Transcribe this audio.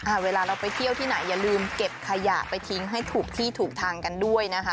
เวลาเราไปเที่ยวที่ไหนอย่าลืมเก็บขยะไปทิ้งให้ถูกที่ถูกทางกันด้วยนะคะ